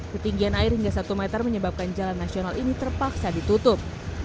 ketinggian air hingga satu meter menyebabkan jalan nasional ini terpaksa ditutup